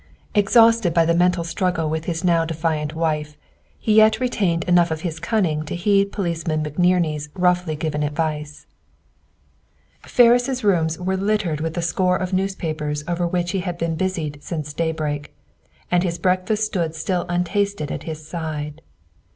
Exhausted by the mental struggle with his now defiant wife, he yet retained enough of his cunning to heed Policeman McNerney's roughly given advice. Ferris' rooms were littered with the score of newspapers over which he had been busied since daybreak, and his breakfast stood still untasted at his side.